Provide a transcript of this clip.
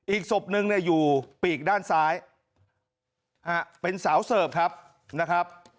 อีกศพนึงเนี่ยอยู่ปีกด้านซ้ายเป็นสาวเสิร์ฟครับนะครับ